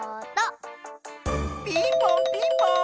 ピンポンピンポーン！